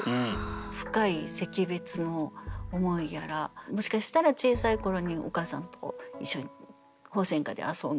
深い惜別の思いやらもしかしたら小さい頃にお母さんと一緒に鳳仙花で遊んだ。